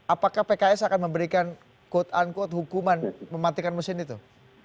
apakah pks akan memberikan quote unquote hukuman mematikan mesin itu